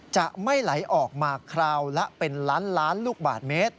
จะไม่ไหลออกมาคราวละเป็นล้านล้านลูกบาทเมตร